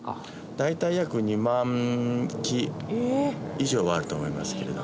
大体約２万基以上はあると思いますけれど。